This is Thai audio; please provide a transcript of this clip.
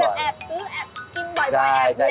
กินบ่อยไปแอบเม